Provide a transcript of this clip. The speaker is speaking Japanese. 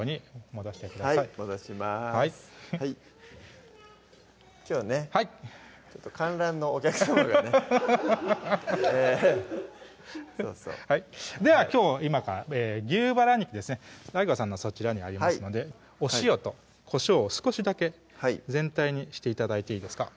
そうそうはいではきょう今から牛バラ肉ですねＤＡＩＧＯさんのはそちらにありますのでお塩とこしょうを少しだけ全体にして頂いていいですか？